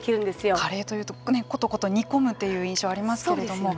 カレーというとことこと煮込むという印象がそうですよね。